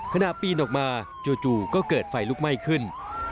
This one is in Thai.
ขณะปีนออกมาจู่ก็เกิดไฟลุกไหม้ขึ้น